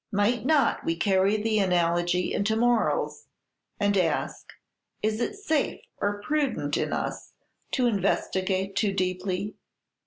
Might we not carry the analogy into morals, and ask, is it safe or prudent in us to investigate too deeply?